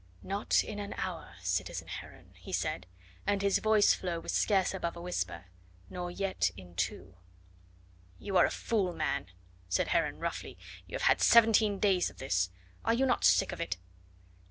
"Not in an hour, citizen Heron," he said, and his voice flow was scarce above a whisper, "nor yet in two." "You are a fool, man," said Heron roughly. "You have had seventeen days of this. Are you not sick of it?"